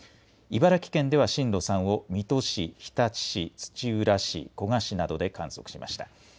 茨城県では震度３を水戸市、日立市、土浦市、古河市などで観測しました。